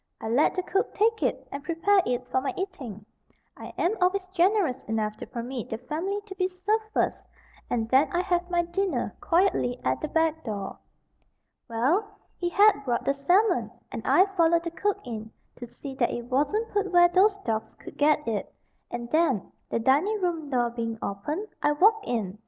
I let the cook take it and prepare it for my eating. I am always generous enough to permit the family to be served first and then I have my dinner quietly at the back door. Well, he had brought the salmon, and I followed the cook in, to see that it wasn't put where those dogs could get it; and then, the dining room door being opened, I walked in.